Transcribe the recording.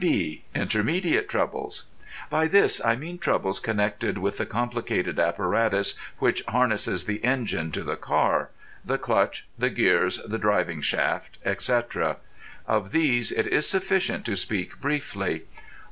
B. Intermediate troubles. By this I mean troubles connected with the complicated apparatus which harnesses the engine to the car—the clutch, the gears, the driving shaft, etc. Of these it is sufficient to speak briefly.